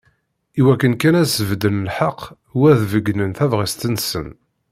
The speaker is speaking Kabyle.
Iwakken kan ad sbedden lḥeqq u ad d-beyynen tabɣest-nsen.